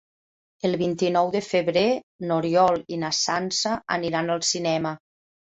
El vint-i-nou de febrer n'Oriol i na Sança aniran al cinema.